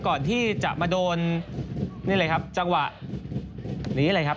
ก่อนที่จะมาโดนนี่เลยครับจังหวะนี้เลยครับ